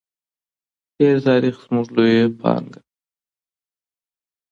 تېر تاریخ زموږ لویه پانګه ده.